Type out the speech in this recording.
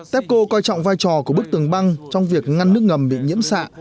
tepco coi trọng vai trò của bức tường băng trong việc ngăn nước ngầm bị nhiễm xạ